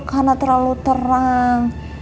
karena terlalu terang